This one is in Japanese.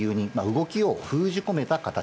動きを封じ込めた形。